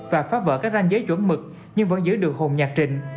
và phá vỡ các ranh giới chuẩn mực nhưng vẫn giữ được hồn nhạc trình